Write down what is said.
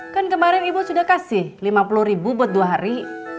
kan kemarin ibu sudah kasih lima puluh ribu buat dua hari